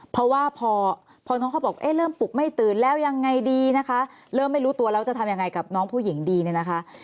เพราะว่าพอน้องเขาบอกเอ๊ะเริ่มปลุกไม่ตื่นแล้วยังไงดีนะคะเริ่มไม่รู้ตัวแล้วจะทำยังไงกับน้องผู้หญิงดีเนี่ยนะคะ